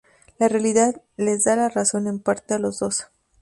La realidad les da la razón en parte a los dos.